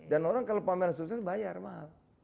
dan orang kalau pameran sukses bayar mahal